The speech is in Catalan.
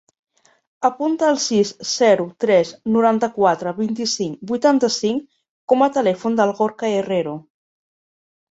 Apunta el sis, zero, tres, noranta-quatre, vint-i-cinc, vuitanta-cinc com a telèfon del Gorka Herrero.